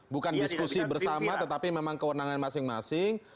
bukan diskusi bersama tetapi memang kewenangan masing masing